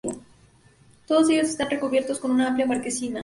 Todos ellos están recubiertos por una amplia marquesina.